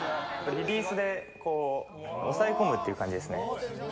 リリースで、押さえ込むっていう感じですね。